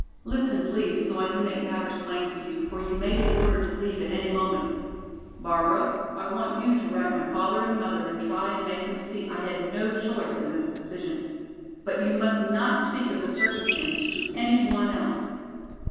"Listen, please, so I can make matters plain to you, for you may be ordered to leave at any moment. Barbara, I want you to write my father and mother and try and make them see I had no choice in this decision. But you must not speak of the circumstances to any one else.